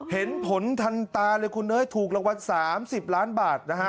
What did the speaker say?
เห็นผลทันตาเลยคุณเอ้ยถูกรางวัล๓๐ล้านบาทนะฮะ